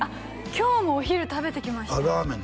今日もお昼食べてきましたラーメン